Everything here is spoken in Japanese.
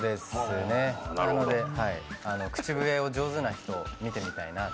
なので口笛を上手な人、見てみたいなと。